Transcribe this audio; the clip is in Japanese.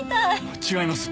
違います！